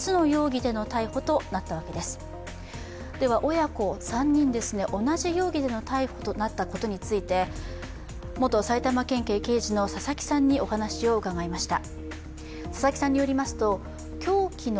親子３人、同じ容疑での逮捕となったことについて、元埼玉県警刑事の佐々木さんにお話を伺いました。